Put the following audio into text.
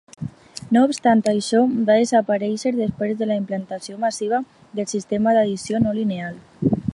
No obstant això, va desaparèixer després de la implantació massiva del sistema d'edició no lineal.